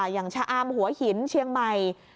อย่างชะอามหัวหินเชียงใหม่